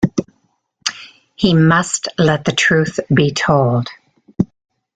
He must let the truth be told.